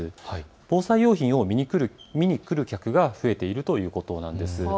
防災用品を見に来る客が増えているということなんです。